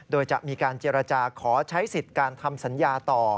โดยจะมีการเจรจาขอใช้สิทธิ์การทำสัญญาต่อ